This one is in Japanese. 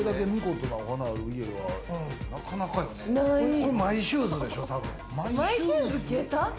これマイシューズでしょ、たぶん。